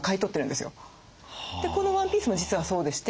このワンピースも実はそうでして。